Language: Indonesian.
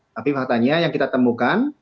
tapi faktanya yang kita temukan